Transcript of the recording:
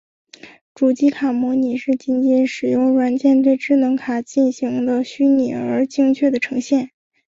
主机卡模拟是仅仅使用软件对智能卡进行的虚拟而精确的呈现。